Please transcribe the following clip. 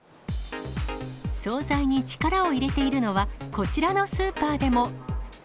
総菜に力を入れているのは、こちらのスーパーでも。